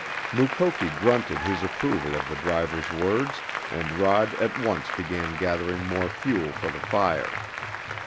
Mukoki grunted his approval of the driver's words and Rod at once began gathering more fuel for the fire.